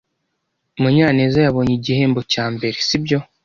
Munyaneza yabonye igihembo cya mbere, sibyo?